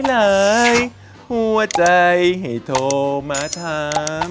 หัวใจให้โทรมาทำ